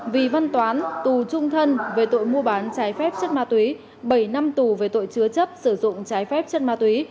vì văn toán tù trung thân về tội mua bán trái phép chất ma túy bảy năm tù về tội chứa chấp sử dụng trái phép chất ma túy